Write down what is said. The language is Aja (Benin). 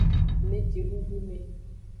Le jidudu me.